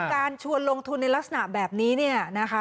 การชวนลงทุนในลักษณะแบบนี้เนี่ยนะคะ